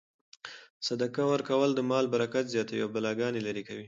صدقه ورکول د مال برکت زیاتوي او بلاګانې لیرې کوي.